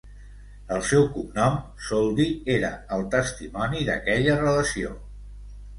El seu cognom, Soldi, era el testimoni d'aquella relació.